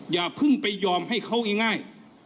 อย่าเพิ่งไปยอมให้เขาง่าย